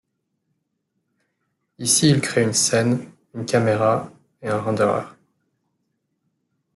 Ici il crée une scène, une caméra et un renderer.